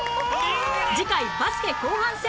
次回バスケ後半戦